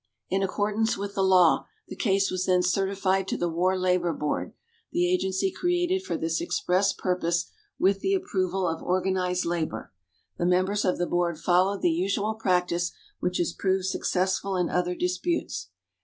In accordance with the law, the case was then certified to the War Labor Board, the agency created for this express purpose with the approval of organized labor. The members of the Board followed the usual practice which has proved successful in other disputes.